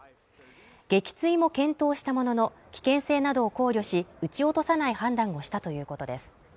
撃墜も検討したものの危険性などを考慮し撃ち落とさない判断をしたということです